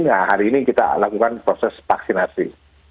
nah hari ini kita lakukan proses vaksinasi